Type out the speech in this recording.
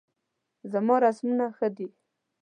زما رسمونه ښه دي